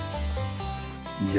いや。